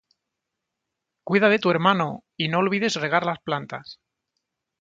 ¡Cuida de tu hermano! ¡Y no olvides regar las plantas!